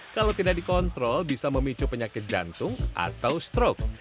kalau tidak dikontrol bisa memicu penyakit jantung atau strok